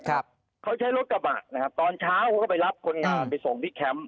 ครับเขาใช้รถกระบะนะครับตอนเช้าเขาก็ไปรับคนงานไปส่งที่แคมป์